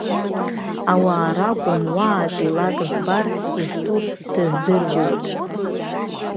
Ауаа ракәым уаатәи лак збар изтәу дыздыруеит.